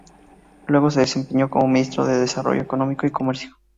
Luego se desempeñó como Ministro de Desarrollo Económico y Comercio.